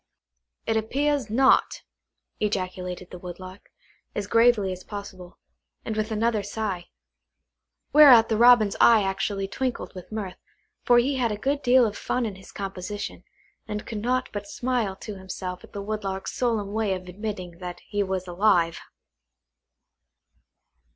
"It appears not," ejaculated the Woodlark, as gravely as possible, and with another sigh; whereat the Robin's eye actually twinkled with mirth, for he had a good deal of fun in his composition, and could not but smile to himself at the Woodlark's solemn way of admitting that he was alive.